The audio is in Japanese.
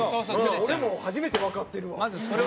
俺も初めてわかってるわ。